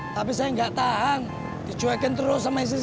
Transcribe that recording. tapi saya gak tahan dicuekin terus sama istri saya